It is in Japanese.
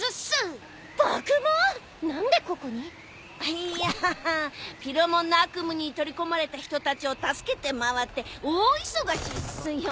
いやピロモンの悪夢に取り込まれた人たちを助けて回って大忙しっすよ。